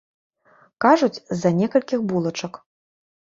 Кажуць, з-за некалькіх булачак.